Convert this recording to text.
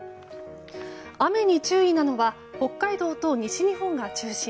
雨に注意なのは北海道と西日本が中心。